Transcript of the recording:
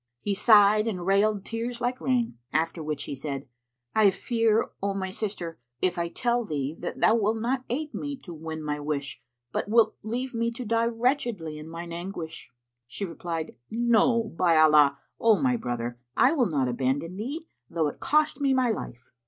He sighed and railed tears like rain, after which he said, "I fear, O my sister, if I tell thee, that thou wilt not aid me to win my wish but wilt leave me to die wretchedly in mine anguish." She replied, "No, by Allah, O my brother, I will not abandon thee, though it cost me my life!"